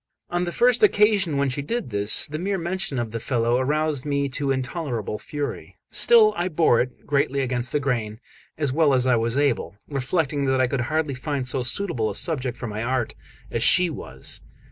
On the first occasion when she did this, the mere mention of the fellow aroused me to intolerable fury; still I bore it, greatly against the grain, as well as I was able, reflecting that I could hardly find so suitable a subject for my art as she was.